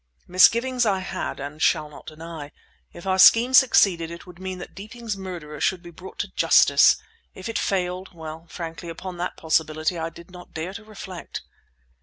Misgivings I had and shall not deny. If our scheme succeeded it would mean that Deeping's murderer should be brought to justice. If it failed well, frankly, upon that possibility I did not dare to reflect!